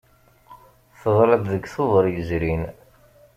Teḍra-d deg Tubeṛ yezrin.